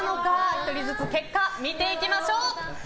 １人ずつ結果見ていきましょう。